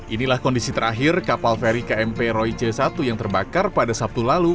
inilah kondisi terakhir kapal feri kmp roy c satu yang terbakar pada sabtu lalu